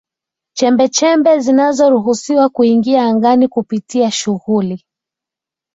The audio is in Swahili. chembechembe zinazoruhusiwa kuingia angani kupitia shughuli